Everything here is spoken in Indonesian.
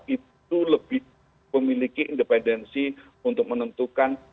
itu lebih memiliki independensi untuk menentukan